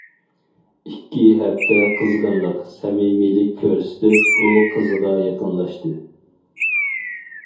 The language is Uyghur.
ئىككى ھەپتە قىزغىنلىق، سەمىمىيلىك كۆرسىتىپ ئۇ قىزغا يېقىنلاشتىم.